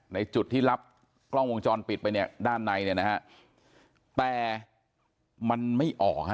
ในจุดที่รับกล้องวงจรปิดไปเนี่ยด้านในเนี่ยนะฮะแต่มันไม่ออกฮะ